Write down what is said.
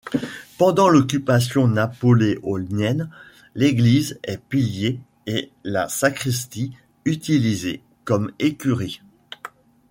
Pendant l'occupation napoléonienne, l'église est pillée et la sacristie utilisée comme écurie.